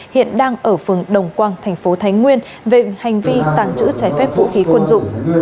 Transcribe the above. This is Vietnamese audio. hiện đang ở phường đồng quang thành phố thái nguyên về hành vi tàng trữ trái phép vũ khí quân dụng